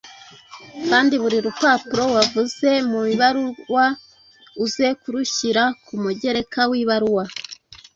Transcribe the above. kandi buri rupapuro wavuze mu ibaruwa uze kurushyira ku mugereka w’ibaruwa.